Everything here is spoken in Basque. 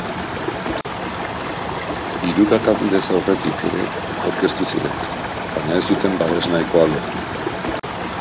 Hirurak aldez aurretik ere aurkeztu ziren, baina ez zuten babes nahikoa lortu.